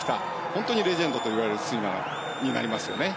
本当にレジェンドといわれるスイマーになりますね。